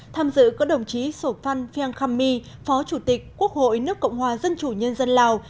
tham dự có đồng chí sổ phan phiang kham my phó chủ tịch quốc hội nước cộng hòa dân chủ nhân dân lào